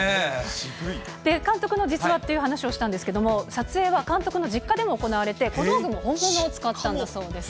監督の実話という話をしたんですけれども、撮影は監督の実家でも行われて、小道具も本物を使ったんだそうです。